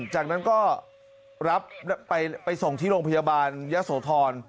จากนั้นก็รับไปส่งที่โรงพยาบาลยะโสธร